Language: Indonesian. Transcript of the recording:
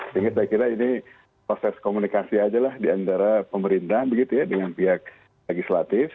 jadi saya kira ini proses komunikasi saja di antara pemerintah dengan pihak legislatif